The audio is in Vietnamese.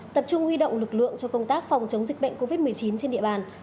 tập trung huy động lực lượng cho công tác phòng chống dịch bệnh covid một mươi chín trên địa bàn